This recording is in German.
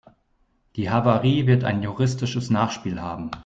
Die Havarie wird ein juristisches Nachspiel haben.